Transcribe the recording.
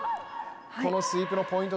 このスイープのポイント